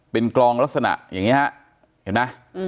เป็นกลองลักษณะอย่างนี้ฮะเห็นไหม